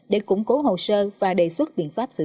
để củng cố hồ sơ và đề xuất biện pháp xử